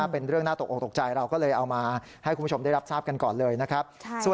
เป็นเรื่องน่าตกออกตกใจเราก็เลยเอามาให้คุณผู้ชมได้รับทราบกันก่อนเลยนะครับ